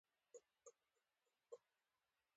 طبیعت یې خود بخوده باله،